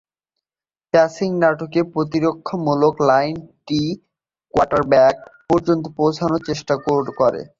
Passing নাটকে, প্রতিরক্ষামূলক লাইনটি কোয়ার্টারব্যাক পর্যন্ত পৌঁছানোর চেষ্টা করে।